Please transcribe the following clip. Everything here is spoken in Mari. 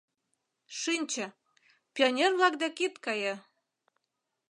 — Шинче, пионер-влак дек ит кае...»